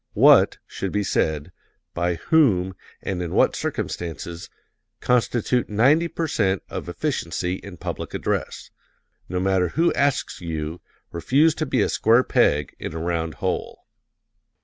What should be said, by whom, and in what circumstances, constitute ninety per cent of efficiency in public address. No matter who asks you, refuse to be a square peg in a round hole.